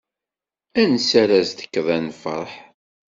Ansi ara as-d-tekkeḍ a lferḥ.